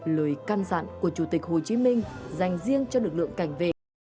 lời can dặn của chủ tịch hồ chí minh dành riêng cho lực lượng cảnh vệ